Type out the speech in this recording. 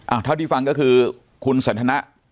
อ่าเท่านี้ฟังก็คือคุณเสนธนะ